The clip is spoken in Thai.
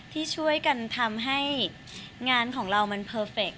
ที่ช่วยกันทำให้งานของเรามันเพอร์เฟคต